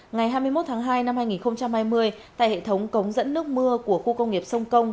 ngày hai mươi một tháng hai năm hai nghìn hai mươi tại hệ thống cống dẫn nước mưa của khu công nghiệp sông công